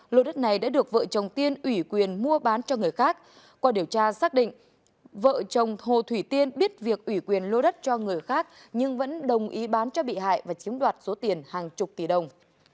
lô đất này đã được vợ chồng tiên ủy quyền mua bán cho người khác qua điều tra xác định vợ chồng hồ thủy tiên biết việc ủy quyền lô đất cho người khác nhưng vẫn đồng ý bán cho bị hại và chiếm đoạt số tiền hàng chục tỷ đồng